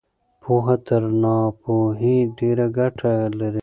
پوهه تر ناپوهۍ ډېره ګټه لري.